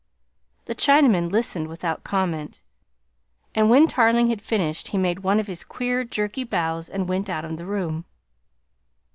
The Chinaman listened without comment and when Tarling had finished he made one of his queer jerky bows and went out of the room.